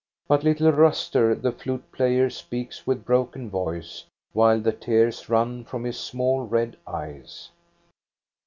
But little Ruster, the flute player, speaks with broken voice, while the tears run from his small red eyes.